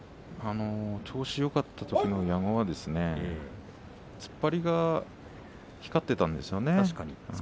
調子がよかったときの矢後は、突っ張りが確かにそうですね。